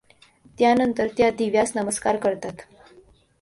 त्यानंतर त्या दिव्यास नमस्कार करतात.